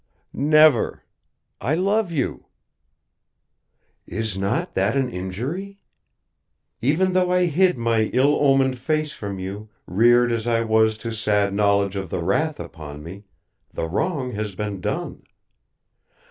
"Never. I love you." "Is not that an injury? Even though I hid my ill omened face from you, reared as I was to sad knowledge of the wrath upon me, the wrong has been done.